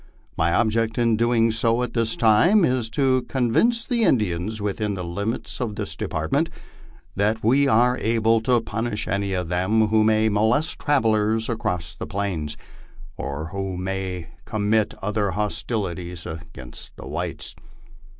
My object in doing so at this time is, to convince the Indians within the limits of this department that we are able to punish any of them who may molest travellers across the Plains, or who may commit other hostilities against the whites.